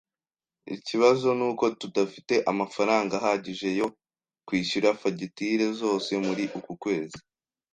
Ikibazo nuko tudafite amafaranga ahagije yo kwishyura fagitire zose muri uku kwezi.